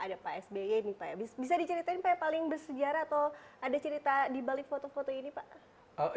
ada pak sby nih pak ya bisa diceritain pak yang paling bersejarah atau ada cerita di balik foto foto ini pak